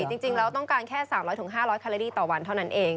จริงแล้วต้องการแค่๓๐๐๕๐๐คาเลี่ต่อวันเท่านั้นเอง